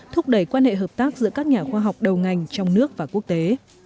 thúc đẩy quan hệ hợp tác giữa các nhà khoa học đầu ngành trong nước và quốc tế